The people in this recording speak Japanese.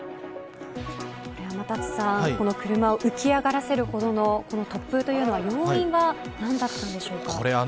天達さん車を浮き上がらせるほどのこの突風というのは、要因は何だったのでしょうか。